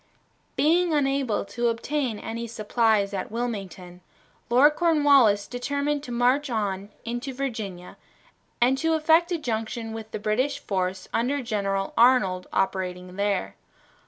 Being unable to obtain any supplies at Wilmington, Lord Cornwallis determined to march on into Virginia and to effect a junction with the British force under General Arnold operating there.